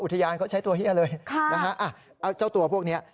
อุทยานเขาใช้ตัวเหี้ยเลยค่ะอ่ะอ่ะเจ้าตัวพวกเนี้ย